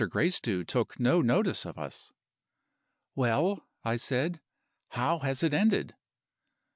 Gracedieu took no notice of us. "'Well,' I said, 'how has it ended?